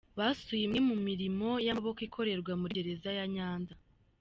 Basuye n’imwe mu murimo y’amaboko ikorerwa muri gereza ya Nyanza.